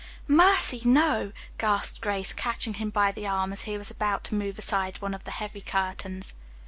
"Mercy, no," gasped Grace, catching him by the arm as he was about to move aside one of the heavy curtains.